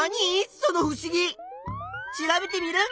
そのふしぎ！調べテミルン！